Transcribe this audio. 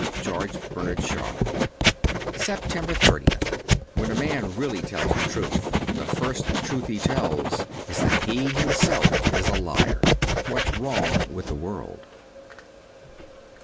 ' George Bernard Shaw.' 303 SEPTEMBER 30th WHEN a man really tells the truth, the first truth he tells is that he himself is a liar. ' What's Wrong zaith the World.'